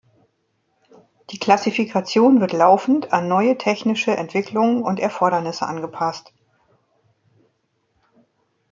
Die Klassifikation wird laufend an neue technische Entwicklungen und Erfordernisse angepasst.